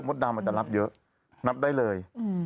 ดำอาจจะรับเยอะนับได้เลย